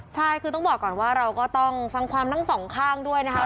ใช่คือต้องบอกก่อนว่าเราก็ต้องฟังความทั้งสองข้างด้วยนะครับ